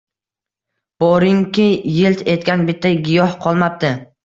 Boringki, yilt etgan bitta giyoh qolmabdi.